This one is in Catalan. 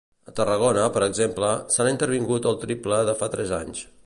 A Tarragona, per exemple, s'han intervingut el triple de fa tres anys.